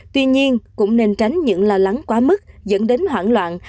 tuy nhiên cũng nên tránh những lo lắng quá mức dẫn đến hoảng loạn